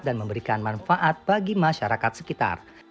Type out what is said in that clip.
dan memberikan manfaat bagi masyarakat sekitar